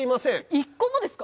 １個もですか！？